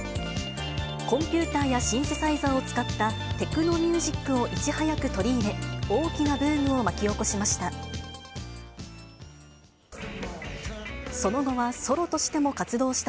コンピューターやシンセサイザーを使ったテクノミュージックをいち早く取り入れ、大きなブームを巻き起こしました。